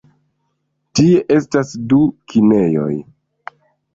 Tie estas du kinejoj.